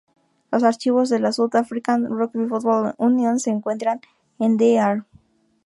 Los archivos de la South African Rugby Football Union se encuentran en De Aar.